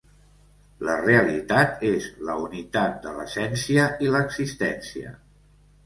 La realitat és la unitat de l'essència i l'existència.